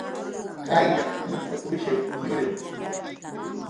Qayllaq nuk'utwishiw yuriwi